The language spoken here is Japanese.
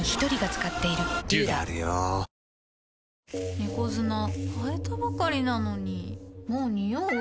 猫砂替えたばかりなのにもうニオう？